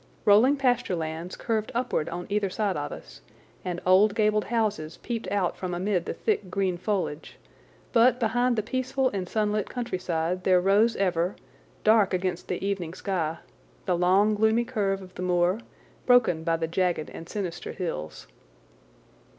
Rolling pasture lands curved upward on either side of us, and old gabled houses peeped out from amid the thick green foliage, but behind the peaceful and sunlit countryside there rose ever, dark against the evening sky, the long, gloomy curve of the moor, broken by the jagged and sinister hills.